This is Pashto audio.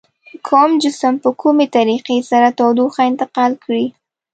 کوم جسم په کومې طریقې سره تودوخه انتقال کړي؟